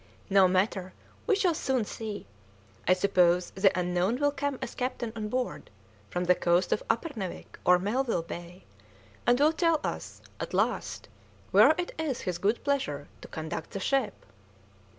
No matter, we shall soon see; I suppose the unknown will come as captain on board from the coast of Uppernawik or Melville Bay, and will tell us at last where it is his good pleasure to conduct the ship."